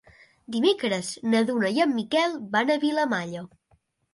Dimecres na Duna i en Miquel van a Vilamalla.